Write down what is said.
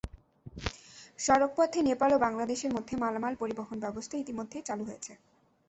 সড়কপথে নেপাল ও বাংলাদেশের মধ্যে মালামাল পরিবহণ ব্যবস্থা ইতিমধ্যেই চালু হয়েছে।